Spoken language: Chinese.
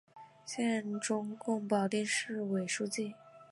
现任中共保定市委书记。